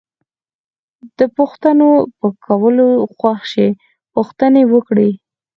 د پوښتنو په کولو خوښ شئ پوښتنې وکړئ.